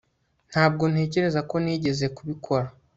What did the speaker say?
ntabwo ntekereza ko nigeze kubikora